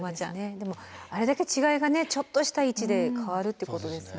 でもあれだけ違いがねちょっとした位置で変わるってことですもんね。